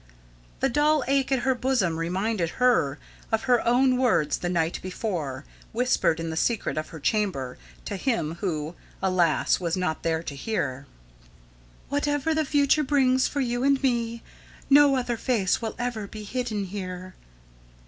The dull ache at her bosom reminded her of her own words the night before, whispered in the secret of her chamber to him who, alas, was not there to hear: "Whatever the future brings for you and me, no other face will ever be hidden here."